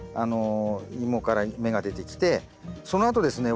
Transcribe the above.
イモから芽が出てきてそのあとですね